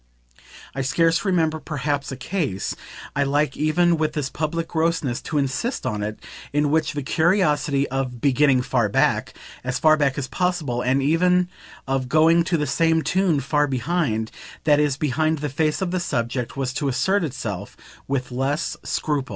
I scarce remember perhaps a case I like even with this public grossness to insist on it in which the curiosity of "beginning far back," as far back as possible, and even of going, to the same tune, far "behind," that is behind the face of the subject, was to assert itself with less scruple.